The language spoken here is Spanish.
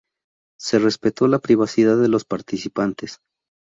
Se respetó la privacidad de los participantes.